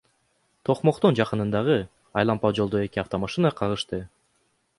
Токмоктун жакынындагы айлампа жолдо эки автомашина кагышты.